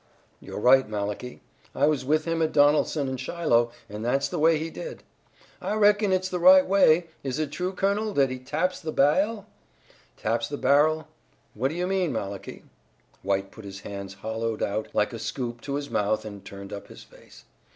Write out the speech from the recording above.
"You're right, Malachi. I was with him at Donelson and Shiloh and that's the way he did." "I reckon it's the right way. Is it true, colonel, that he taps the ba'el?" "Taps the barrel? What do you mean, Malachi?" White put his hands hollowed out like a scoop to his mouth and turned up his face.